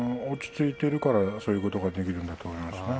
落ち着いているからそういうことができるんだと思います。